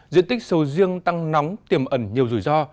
diện tích sầu riêng tăng nóng tiềm ẩn nhiều rủi ro